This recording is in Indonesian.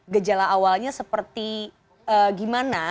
gejala awalnya seperti gimana